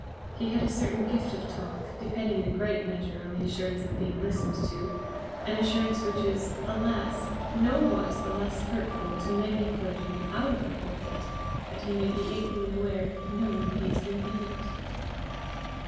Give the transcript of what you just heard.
He had a certain gift of talk depending in a great measure on the assurance of being listened to, an assurance which is, alas! nowise the less hurtful to many a clergyman out of the pulpit, that he may be equally aware no one heeds him in it.